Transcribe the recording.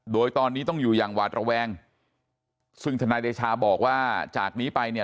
โดยตอนนี้ต้องอยู่อย่างหวาดระแวงซึ่งธนายเดชาบอกว่าจากนี้ไปเนี่ย